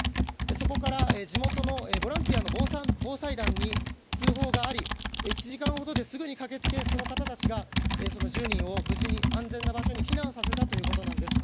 そこから地元のボランティアの防災団に通報があり、１時間ほどですぐに駆けつけその方たちがその１０人を無事に安全な場所に避難させたということです。